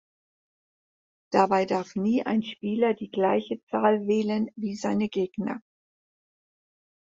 Dabei darf nie ein Spieler die gleiche Zahl wählen wie seine Gegner.